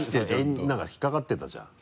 何か引っかかってたじゃん。